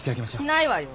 しないわよ。